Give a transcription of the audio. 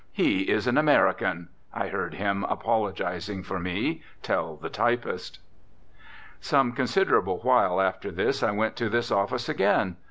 "He is an American," I heard him, apologising for me, tell the typist. Some considerable while after this I went to this office again.